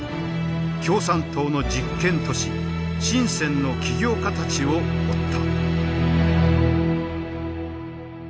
共産党の実験都市深の起業家たちを追った。